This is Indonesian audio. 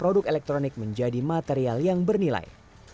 produk elektronik menjadi material yang bernilai